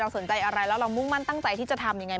สนใจอะไรแล้วเรามุ่งมั่นตั้งใจที่จะทำยังไง